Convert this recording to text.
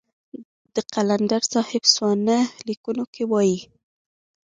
د قلندر صاحب سوانح ليکونکي وايي.